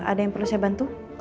ada yang perlu saya bantu